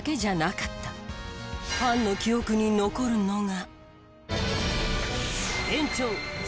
ファンの記憶に残るのが。